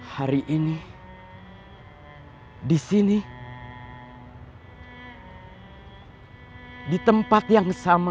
hari ini di sini di tempat yang sama